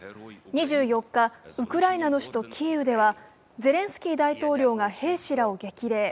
２４日、ウクライナの首都キーウではゼレンスキー大統領が兵士らを激励。